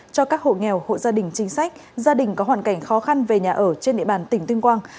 cho các hộ nghèo hộ gia đình chính sách gia đình có hoàn cảnh khó khăn về nhà ở trên địa bàn tỉnh tuyên quang